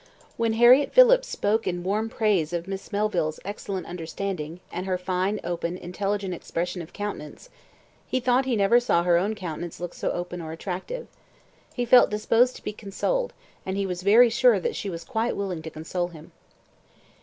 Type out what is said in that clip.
When Harriett Phillips spoke in warm praise of Miss Melville's excellent understanding, and her fine, open, intelligent, expression of countenance, he thought he never saw her own countenance look so open or so attractive. He felt disposed to be consoled, and he was very sure that she was quite willing to console him.